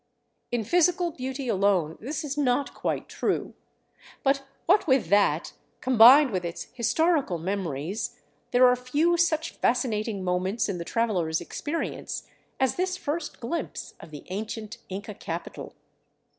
In physical beauty alone this is not quite true. But what with that, combined with its his torical memories, there are few such fascinating moments in the traveler's experience as this first glimpse of the ancient Inca capital.